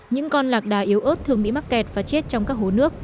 những con lạc đà yếu ớt thường bị mắc kẹt và chết trong các hố nước